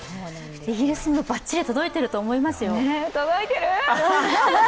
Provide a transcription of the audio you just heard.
イギリスにもばっちり届いていると思いますよ。